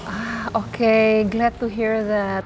ah oke senang dengar itu